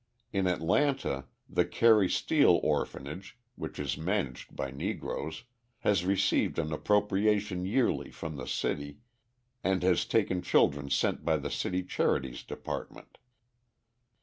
In Atlanta the Carrie Steele orphanage, which is managed by Negroes, has received an appropriation yearly from the city, and has taken children sent by the city charities department.